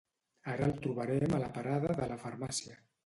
Ara el trobarem a la parada de la farmàcia